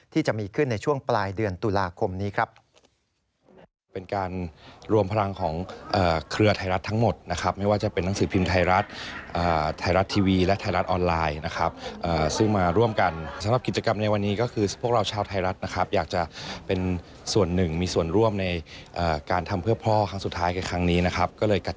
ที่มีขึ้นในช่วงปลายเดือนตุลาคมนี้ครับ